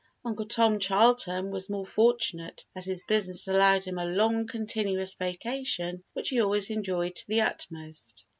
Uncle Tom Charlton was more fortunate as his business allowed him a long continuous vacation which he always enjoyed to the utmost.